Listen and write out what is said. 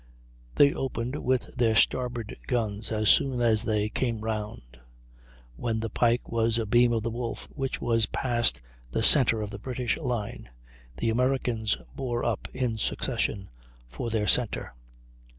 They opened with their starboard guns as soon as they came round. When the Pike was a beam of the Wolfe, which was past the centre of the British line, the Americans bore up in succession for their centre.